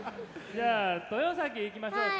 じゃあ豊崎いきましょうか。